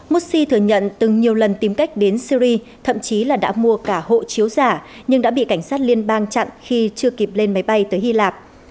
moosi thừa nhận từng nhiều lần tìm cách đến syri thậm chí là đã mua cả hộ chiếu giả nhưng đã bị cảnh sát liên bang chặn khi chưa kịp lên máy bay tới hy lạp